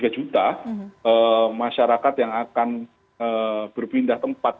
satu ratus dua puluh tiga juta masyarakat yang akan berpindah tempat